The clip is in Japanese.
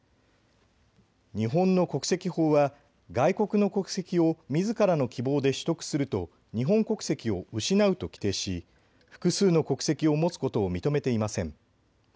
日本の国籍法は外国の国籍をみずからの希望で取得すると日本国籍を失うと規定し複数の国籍を持つことを認めていません。